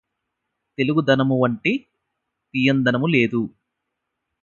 తెలుగుదనమువంటి తీయందనము లేదు